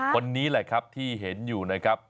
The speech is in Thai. คนนี้แหละครับที่เห็นอยู่นะครับ